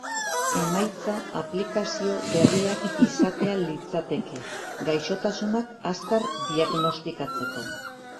Emaitza aplikazio berriak izatea litzateke, gaixotasunak azkar diagnostikatzeko.